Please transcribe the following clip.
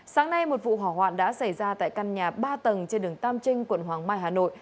sáng nay một vụ hỏa hoạn đã xảy ra tại căn nhà ba tầng trên đường tam trinh quận hoàng mai hà nội